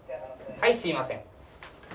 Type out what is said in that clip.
はいすいません。